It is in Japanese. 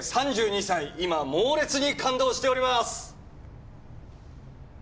３２歳今猛烈に感動しております！